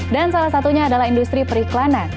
dan salah satunya adalah industri periklanan